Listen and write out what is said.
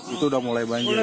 itu sudah mulai banjir ya